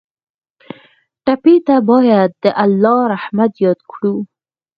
ټپي ته باید د الله رحمت یاد کړو.